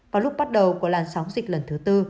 vào lúc bắt đầu của làn sóng dịch lần thứ tư